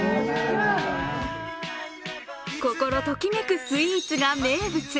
心ときめくスイーツが名物。